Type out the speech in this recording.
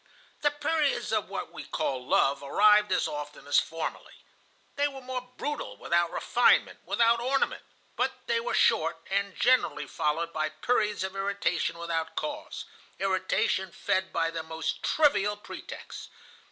"The periods of what we call love arrived as often as formerly. They were more brutal, without refinement, without ornament; but they were short, and generally followed by periods of irritation without cause, irritation fed by the most trivial pretexts.